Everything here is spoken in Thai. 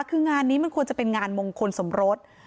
คืองานนี้มันควรจะเป็นงานมงคลสมรส